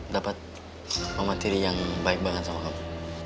dapat mama tiri yang baik banget sama kamu